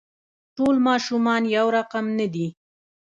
ټول ماشومان يو رقم نه دي.